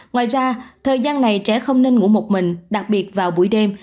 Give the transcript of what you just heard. ngoài ra thời gian này trẻ không nên ngủ một mình đặc biệt vào buổi đêm